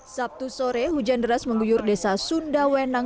sabtu sore hujan deras mengguyur desa sunda wenang